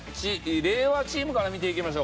令和チームから見ていきましょうかね。